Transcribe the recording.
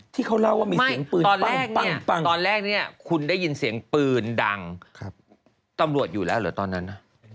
ตอนแรกเนี่ยคุณได้ยินเสียงปืนดังครับตำรวจอยู่แล้วหรือตอนนั้นอ่ะ